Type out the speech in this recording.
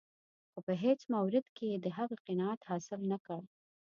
خو په هېڅ مورد کې یې د هغه قناعت حاصل نه کړ.